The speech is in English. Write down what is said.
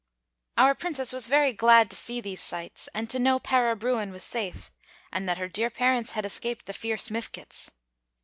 Our Princess was very glad to see these sights, and to know Para Bruin was safe, and that her dear parents had escaped the fierce Mifkets.